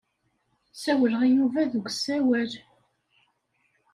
Ssawleɣ i Yuba deg usawal.